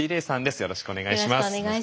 よろしくお願いします。